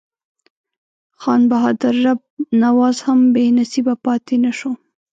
خان بهادر رب نواز هم بې نصیبه پاته نه شو.